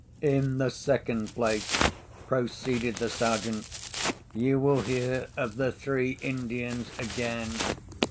"In the second place," proceeded the Sergeant, "you will hear of the three Indians again.